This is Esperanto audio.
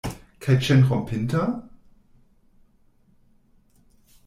Kaj ĉenrompinta?